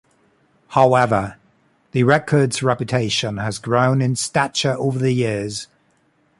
However, the record's reputation has grown in stature over the years.